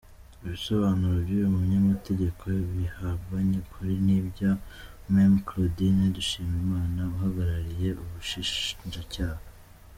Ibisobanuro by’uyu munyamategeko bihabanye kure n’ibya Mme Claudine Dushimimana uhagarariye ubushinjacyaha.